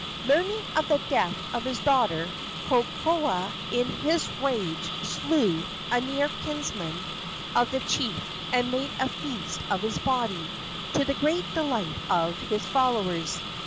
Learning of the death of his daughter, Kokoa in his rage slew a near kinsman of the chief and made a feast of his body, to the great delight of his followers.